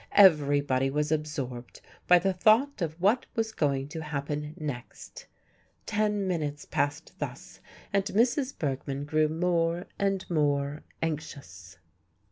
Everybody was absorbed by the thought of what was going to happen next. Ten minutes passed thus, and Mrs. Bergmann grew more and more anxious.